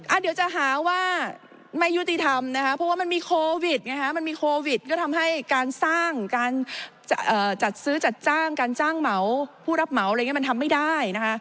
เดี๋ยวจะหาว่าไม่ยุติธรรมนะคะเพราะว่ามันมีโควิดไงฮะมันมีโควิดก็ทำให้การสร้างการจัดซื้อจัดจ้างการจ้างเหมาผู้รับเหมาอะไรอย่างนี้มันทำไม่ได้นะคะ